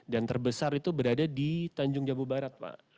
dan terbesar itu berada di tanjung jambu barat pak